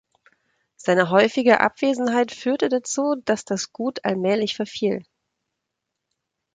Seine häufige Abwesenheit führte dazu, dass das Gut allmählich verfiel.